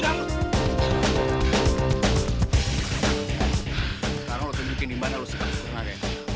sekarang lo tunjukin dimana lo suka bergerak kayak gini